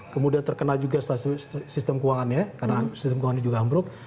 kemudian terkena juga sistem keuangan ya karena sistem keuangan juga hambruk